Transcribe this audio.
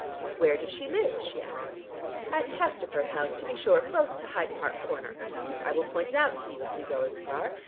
"Where does she live?" she asked. "At Chesterford House, to be sure, close to Hyde Park Corner. I will point it out to you if you go as far.